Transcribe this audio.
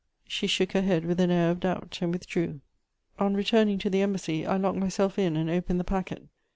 She shook her head with an air of doubt, and withdrew. On returning to the Embassy, I locked myself in and opened the packet.